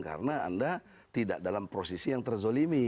karena anda tidak dalam prosesi yang terzolimi